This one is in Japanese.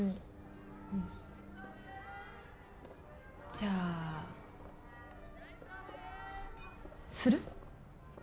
じゃあする？